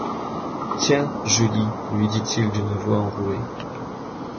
Tiens, Julie, lui dit-il d’une voix enrouée